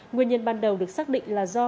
nguyên nhân ban đầu được xác định là do